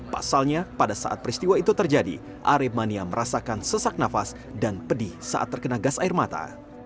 pasalnya pada saat peristiwa itu terjadi aremania merasakan sesak nafas dan pedih saat terkena gas air mata